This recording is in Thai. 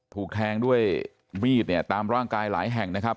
ถูกแทงด้วยมีดเนี่ยตามร่างกายหลายแห่งนะครับ